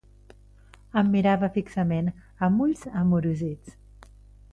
Em mirava fixament, amb ulls amorosits.